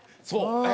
そう！